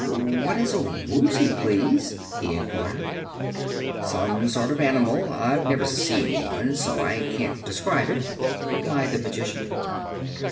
"What is a Woozy, please?" he inquired. "Some sort of an animal. I've never seen one, so I can't describe it," replied the Magician.